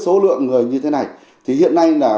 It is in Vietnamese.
số lượng người như thế này thì hiện nay là